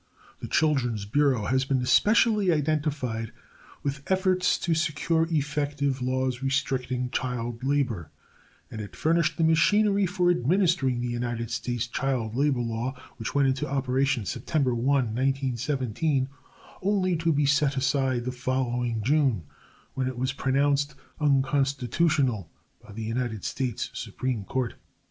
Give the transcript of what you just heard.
The Children's Bureau has been especially identified with efforts to secure effective laws restricting child labor, and it furnished the machinery for administering the United States Child Labor Law which went into operation September 1, 1917, only to be set aside the following June, when it was pronounced unconstitutional by the United States Supreme Court.